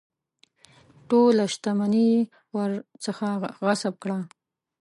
ټوله شته مني یې ورڅخه غصب کړه.